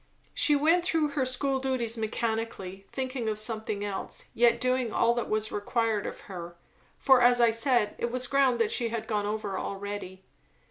She went through her school duties mechanically, thinking of something else, yet doing all that was required of her; for, as I said, it was ground that she had gone over already.